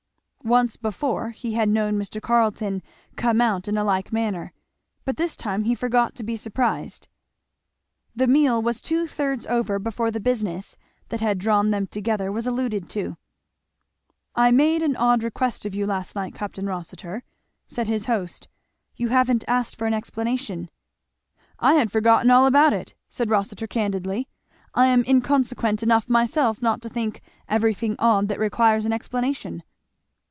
Once before, he had known Mr. Carleton come out in a like manner, but this time he forgot to be surprised. The meal was two thirds over before the business that had drawn them together was alluded to. "I made an odd request of you last night, Capt. Rossitur," said his host; "you haven't asked for an explanation." "I had forgotten all about it," said Rossitur candidly. "I am inconséquent enough myself not to think everything odd that requires an explanation."